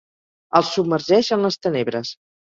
El submergeix en les tenebres.